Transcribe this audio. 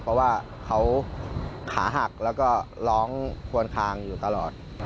เพราะว่าเขาขาหักแล้วก็ร้องควนคางอยู่ตลอด